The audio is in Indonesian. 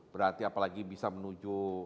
berarti apalagi bisa menuju